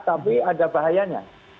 tapi ada bahayanya